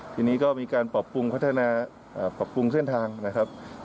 ทีนี้ก็มีการปรับปรุงพัฒนาปรับปรุงเส้นทางนะครับ